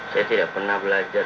saya tidak pernah belajar